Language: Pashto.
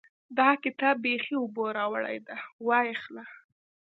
دا کتاب بېخي اوبو راوړی دی؛ وايې خله.